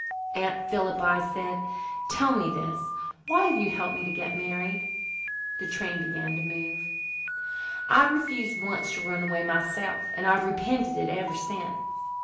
"Aunt Philippa," I said, "tell me this: why have you helped me to be married?" The train began to move. "I refused once to run away myself, and I've repented it ever since."